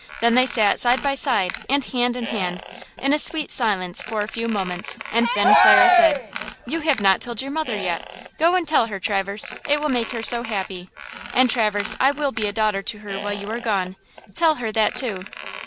Then they sat side by side, and hand in hand, in a sweet silence for a few moments, and then Clara said: "You have not told your mother yet! Go and tell her, Traverse; it will make her so happy! And Traverse, I will be a daughter to her, while you are gone. Tell her that, too."